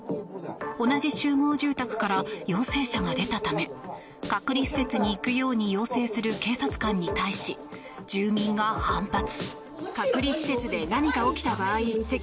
同じ集合住宅から陽性者が出たため隔離施設に行くように要請する警察官に対し住民が反発。